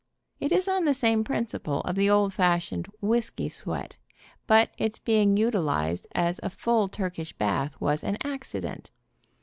It is on the same principle of the old fashioned "whisky sweat," but its being utilized as a full Turkish bath was an accident.